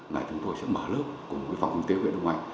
ngày chúng tôi sẽ mở lớp của phòng kinh tế huyện đông anh